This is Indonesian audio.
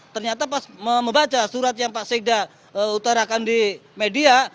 ternyata pas membaca surat yang pak sekda utarakan di media